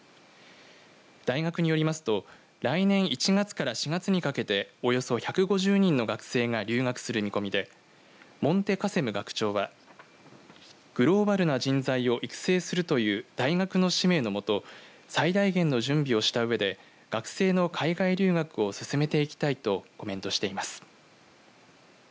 大学によりますと来年１月から４月にかけておよそ１５０人の学生が留学する見込みでモンテ・カセム学長はグローバルな人材を育成するという大学の使命の下最大限の準備をしたうえで学生の海外留学をすすめていきたいとコメントしています。